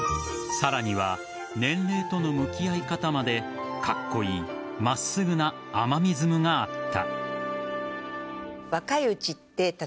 さらには年齢との向き合い方までカッコイイ、真っすぐなアマミズムがあった。